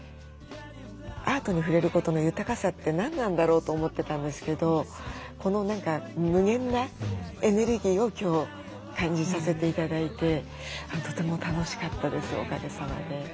アートに触れることの豊かさって何なんだろう？と思ってたんですけどこの何か無限なエネルギーを今日感じさせて頂いてとても楽しかったですおかげさまで。